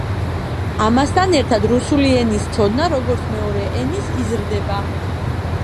ამასთან ერთდ რუსული ენის ცოდნა, როგორც მეორე ენის, იზრდება.